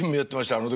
あの時は。